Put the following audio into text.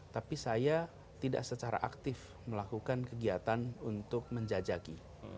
tapi saya tidak secara aktif melakukan kegiatan untuk menjajaki